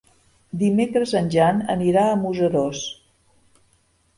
Dimecres en Jan anirà a Museros.